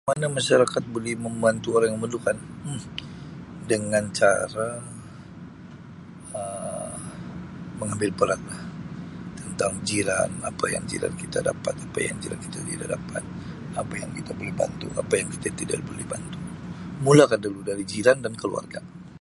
Mana masyarakat boleh membantu orang yang memerlukan Um dengan cara Um mengambil beratlah tentang jiran, apa yang jiran kita dapat, apa yang jiran kita tidak dapat. Apa yang kita boleh bantu, apa yang kita tidak boleh bantu. Mulakan dari jiran dan keluarga.